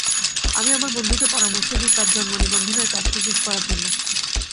আমি আমার বন্ধুকে পরামর্শ দিই তার জন্মনিবন্ধনের কাজটি শেষ করার জন্য।